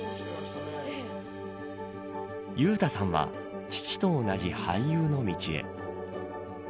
裕太さんは父と同じ俳優の道へ。